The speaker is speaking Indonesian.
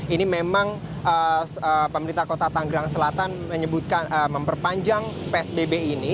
ini memang pemerintah kota tanggerang selatan menyebutkan memperpanjang psbb ini